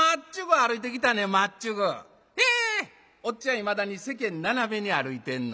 いまだに世間斜めに歩いてんの。